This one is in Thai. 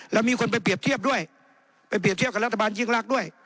แล้วมีคนไปเปรียบเทียบด้วยไปเปรียบเทียบกับรัฐบาลยิ่งรักด้วย